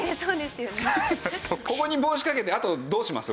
ここに帽子掛けてあとどうします？